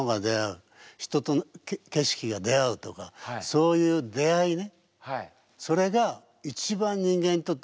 そういう出会いね。